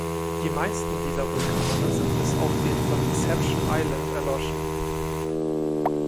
Die meisten dieser Vulkane sind bis auf den von Deception Island erloschen.